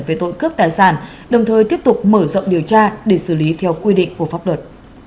về tội cướp tài sản đồng thời tiếp tục mở rộng điều tra để xử lý theo quy định của pháp luật